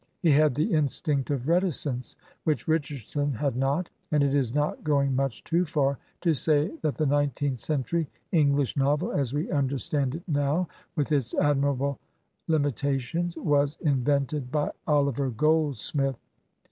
He had the instinct of reticence, which Richardson had not, and it is not going much too far to say that the nineteenth century English novel, as we understand it now, with its admirable limitations, was invented by OUver Goldsmith.